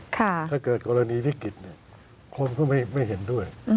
ถ้าเกิดกรณีวิกฤตคนก็ไม่เห็นด้วย